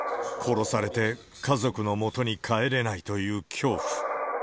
殺されて、家族の元に帰れないという恐怖。